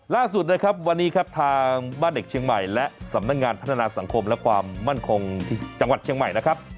ล่าสุดนะครับวันนี้ครับทางบ้านเด็กเชียงใหม่และสำนักงานพัฒนาสังคมและความมั่นคงจังหวัดเชียงใหม่นะครับ